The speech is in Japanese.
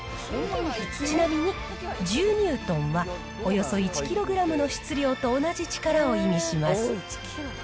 ちなみに１０ニュートンは、およそ１キログラムの質量と同じ力を意味します。